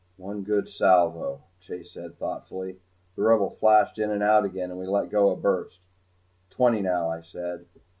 "One good salvo," Chase said, thoughtfully. The Rebel flashed in and out again, and we let go a burst. "Twenty, now," I said.